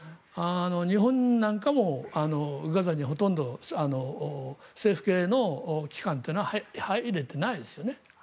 日本なんかもガザにほとんど政府系の機関というのは入れていないですよね。